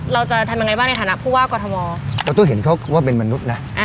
เราจะทำยังไงบ้างในฐานะผู้ว่ากอทมเราต้องเห็นเขาว่าเป็นมนุษย์นะ